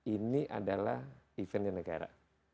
ini adalah eventnya negara